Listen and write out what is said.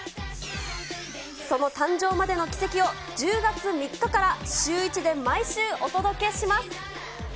その誕生までの軌跡を１０月３日から、シューイチで毎週、お届けします。